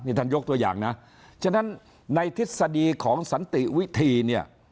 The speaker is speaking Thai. ท่านยกตัวอย่างนะฉะนั้นในทฤษฎีของสันติวิธีเนี่ย